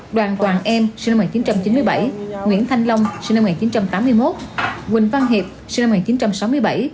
đoàn quảng em sinh năm một nghìn chín trăm chín mươi bảy nguyễn thanh long sinh năm một nghìn chín trăm tám mươi một quỳnh văn hiệp sinh năm một nghìn chín trăm sáu mươi bảy